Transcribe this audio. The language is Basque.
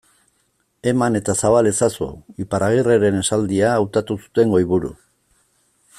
Eman eta zabal ezazu, Iparragirreren esaldia, hautatu zuten goiburu.